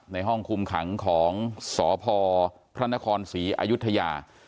ในห้องคุมขังของสพพระนครศรีอายุทยา